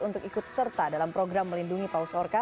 untuk ikut serta dalam program melindungi paus orka